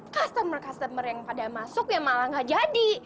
customer customer yang pada masuk ya malah nggak jadi